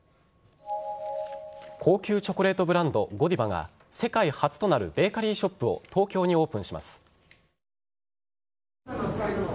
高級チョコレートブランドゴディバが世界初となるベーカリーショップを東京にオープンします。